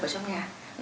ở trong nhà